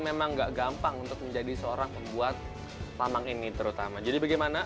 memang nggak gampang untuk menjadi seorang pembuat lamang ini terutama jadi bagaimana